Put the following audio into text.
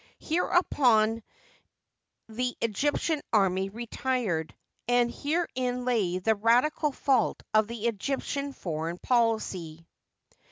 Hereupon the Egyptian army retired; and herein lay the radical fault of the Egyptian foreign policy.